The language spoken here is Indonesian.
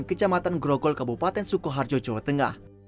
kecamatan grogol kabupaten sukoharjo jawa tengah